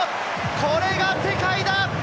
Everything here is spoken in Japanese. これが世界だ！